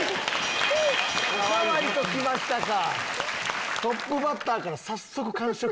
「お代わり」ときましたか。